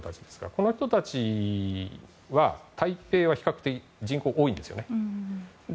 この人たちは台北は比較的人口は多いんですよね。